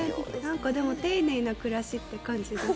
でも、丁寧な暮らしって感じですよね。